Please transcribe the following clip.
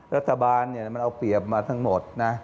รัฐบาลมันเอาเปรียบมาทั้งหมดนะ